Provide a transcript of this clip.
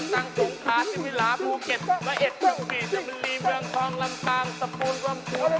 รับประจางกันตั้งตรงศาสตร์ที่วีลาภูเก็ตวะเอ็ดพรุ่งบี